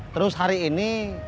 terus hari ini